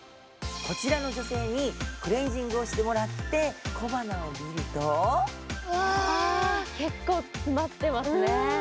こちらの女性にクレンジングしてもらって小鼻を見ると結構詰まってますね。